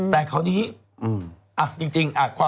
แต่เขานี้อ่ะจริงอ่ะ